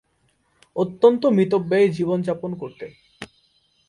অত্যন্ত মিতব্যয়ী জীবনযাপন করতেন।